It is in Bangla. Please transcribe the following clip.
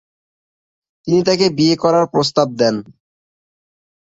তিনি তাকে বিয়ে করার প্রস্তাব দেন।